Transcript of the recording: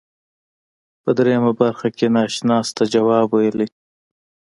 په دریمه برخه کې ناشناس ته جواب ویلی.